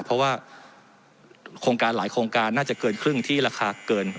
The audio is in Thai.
เพราะว่าโครงการหลายโครงการน่าจะเกินครึ่งที่ราคาเกิน